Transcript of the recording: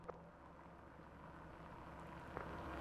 আমরা একটা নতুন থাকার জায়গা খুঁজে নেবো।